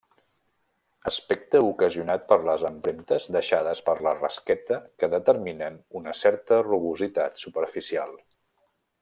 Aspecte ocasionat per les empremtes deixades per la rasqueta que determinen una certa rugositat superficial.